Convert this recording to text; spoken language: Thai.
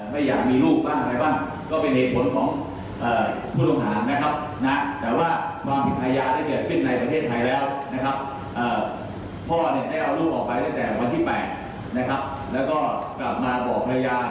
แต่ต่อมาก็มีชาวบางวงไปพบนะครับศกรอยน้ำมาแล้วนะฮะนะฮะ